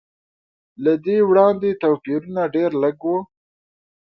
له دې وړاندې توپیرونه ډېر لږ و.